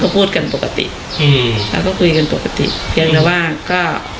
พูดกันปกติอืมแล้วก็คุยกันปกติเพียงแต่ว่าก็